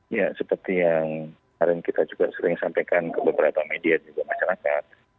ya seperti yang kemarin kita juga sering sampaikan ke beberapa media dan juga masyarakat